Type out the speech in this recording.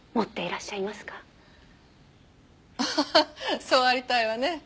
ああそうありたいわね。